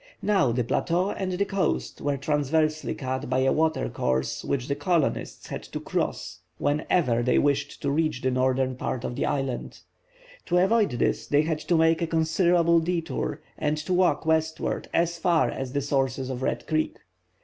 Now the plateau and the coast were transversely cut by a water course which the colonists had to cross when ever they wished to reach the northern part of the island. To avoid this they had to make a considerable detour, and to walk westward as far as the sources of Red creek.